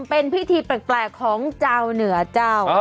เป็นพิธีแปลกของเจ้าเหนือเจ้า